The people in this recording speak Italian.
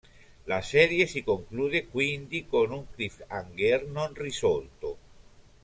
La serie si conclude quindi con un cliffhanger non risolto.